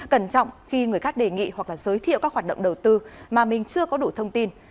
cẩn trọng khi người khác đề nghị hoặc là giới thiệu các hoạt động đầu tư mà mình chưa có đủ thông tin